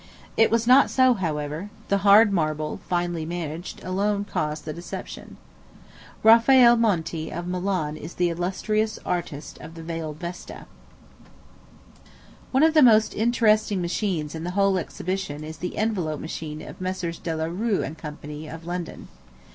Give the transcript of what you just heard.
It was not so, however; the hard marble, finely managed, alone caused the deception. Raffael Monti, of Milan, is the illustrious artist of "the Veiled Vesta." One of the most interesting machines in the whole exhibition is the envelope machine of Messrs. De la Rue & Co., of London.